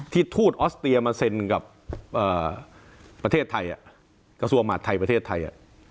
ที่ทูดออสเตียมาเซ็นกับเอ่อประเทศไทยอ่ะกระทรวงอำมาตย์ไทยประเทศไทยอ่ะ